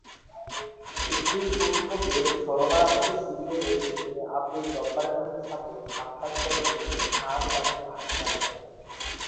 স্ত্রী পুত্রকে শরণার্থী শিবিরে রেখে তিনি আব্দুল জব্বার খানের সাথে সাক্ষাৎ করলে খান তাকে আশ্বাস দেন।